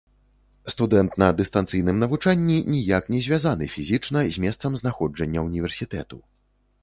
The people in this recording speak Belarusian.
Студэнт на дыстанцыйным навучанні ніяк не звязаны фізічна з месцам знаходжання ўніверсітэту.